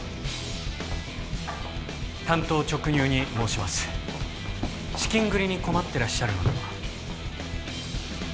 単刀直入に申します資金繰りに困ってらっしゃるのでは？